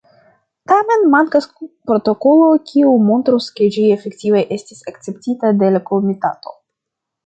Tamen mankas protokolo kiu montrus, ke ĝi efektive estis akceptita de la komitato.